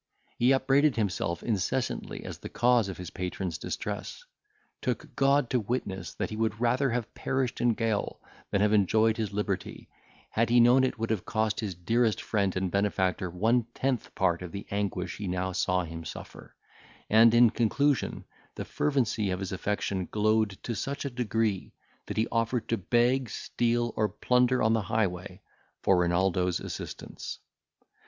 He upbraided himself incessantly as the cause of his patron's distress; took God to witness that he would rather have perished in gaol than have enjoyed his liberty, had he known it would have cost his dearest friend and benefactor one tenth part of the anguish he now saw him suffer; and, in conclusion, the fervency of his affection glowed to such a degree, that he offered to beg, steal, or plunder on the highway, for Renaldo's assistance.